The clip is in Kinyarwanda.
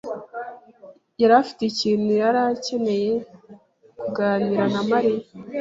yari afite ikintu yari akeneye kuganira na Mariya.